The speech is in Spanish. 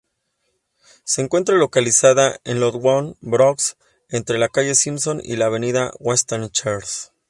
Se encuentra localizada en Longwood, Bronx entre la Calle Simpson y la Avenida Westchester.